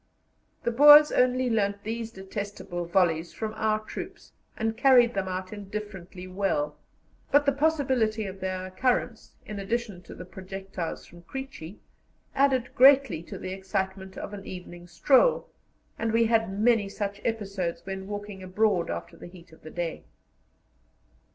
The Boers only learnt these detestable volleys from our troops, and carried them out indifferently well; but the possibility of their occurrence, in addition to the projectiles from "Creechy," added greatly to the excitement of an evening stroll, and we had many such episodes when walking abroad after the heat of the day.